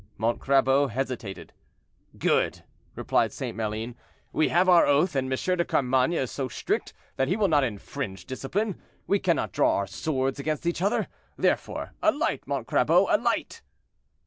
Montcrabeau hesitated. "Good," replied St. Maline, "we have our oath, and M. de Carmainges is so strict that he will not infringe discipline; we cannot draw our swords against each other; therefore, a light, Montcrabeau, a light!"